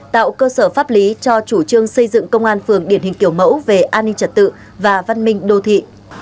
tạo cơ sở pháp lý cho chủ trương xây dựng công an phường điển hình kiểu mẫu về an ninh trật tự và văn minh đô thị